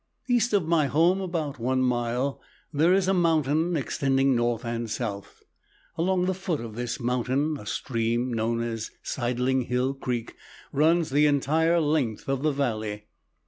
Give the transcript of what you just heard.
East of my home about one mile there is a mountain extending north and south. Along the foot of this mountain, a stream, known as Sideling Hill creek, runs the entire length of the valley.